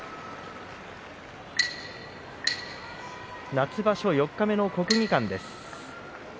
夏場所四日目の国技館です。